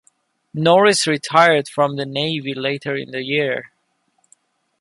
Norris retired from the navy later in the year.